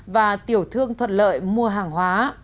và tiểu thương thuận lợi mua hàng hóa